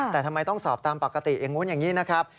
แต่ทำไมต้องสอบตามปกติอย่างนู้นอย่างนี้นะครับ